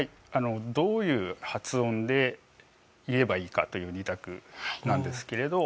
どういう発音で言えばいいかという２択なんですけれど。